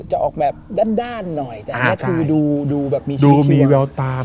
จะออกแบบด้านหน่อยอ่าใช่แต่แค่คือดูดูแบบมีชีวิตดูมีแววตา